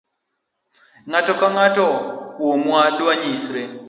Ng'ato ka ng'ato kuomwa dwanyisre.